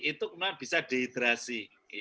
itu bisa dehidrasi